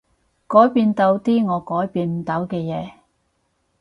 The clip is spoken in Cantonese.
改變到啲我改變唔到嘅嘢